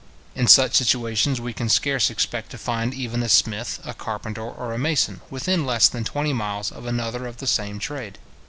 In such situations we can scarce expect to find even a smith, a carpenter, or a mason, within less than twenty miles of another of the same trade.